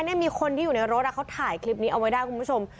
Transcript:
นี่มีคนที่อยู่ในรถเขาถ่ายคลิปนี้เอาไว้ได้คุณผู้ชม